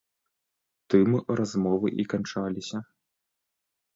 Тым размовы і канчаліся.